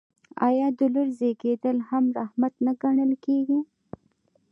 آیا د لور زیږیدل هم رحمت نه ګڼل کیږي؟